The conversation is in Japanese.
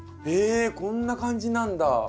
えっこんな感じなんだ。